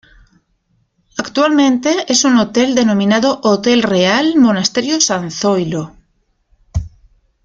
Actualmente es un hotel denominado "Hotel Real Monasterio San Zoilo".